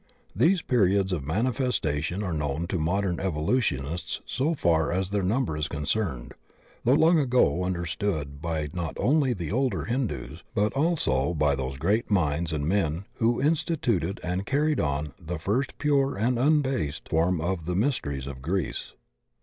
These periods of manifestation are unknown to modem evo lutionists so far as their number is concerned, though long ago understood by not only the older Hindus, but also by those great minds and men who instituted and carried on the first pure and undebased form of the Mysteries of Greece.